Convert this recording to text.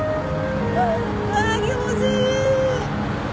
うわ気持ちいい。